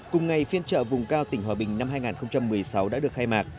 cùng ngày phiên trợ vùng cao tỉnh hòa bình năm hai nghìn một mươi sáu đã được khai mạc